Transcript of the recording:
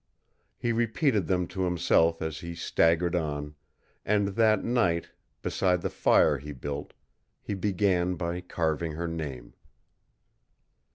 He repeated them to himself as he staggered on, and that night, beside the fire he built, he began by carving her name.